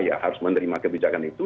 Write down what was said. ya harus menerima kebijakan itu